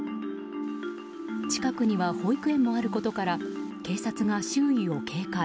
近くには保育園もあることから警察が周囲を警戒。